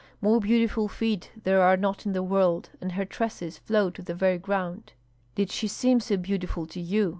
_ more beautiful feet there are not in the world, and her tresses flow to the very ground." "Did she seem so beautiful to you?